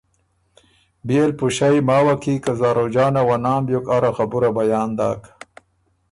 بيې ل پُݭئ ماوه کی که زاروجانه وه نام بیوک اره خبُره بیان داک